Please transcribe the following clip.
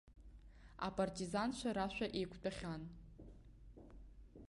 Апартизанцәа рашәа еиқәтәахьан.